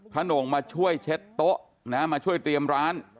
โหน่งมาช่วยเช็ดโต๊ะมาช่วยเตรียมร้าน